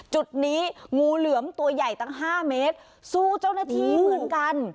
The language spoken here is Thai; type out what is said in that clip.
จุดนี้งูเหลือมตัวใหญ่ตั้ง๕เมตรสู้เจ้าหน้าที่เหมือนกัน